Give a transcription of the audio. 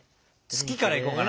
「月」からいこうかな。